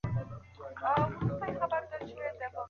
که یو استاد په لاس تبصره ولیکي نو زده کوونکی یې ساتي.